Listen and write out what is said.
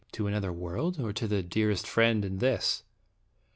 to another world, or to the dearest friend in this?"